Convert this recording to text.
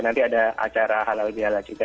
nanti ada acara halal bihala juga